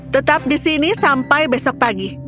tetap di sini sampai besok pagi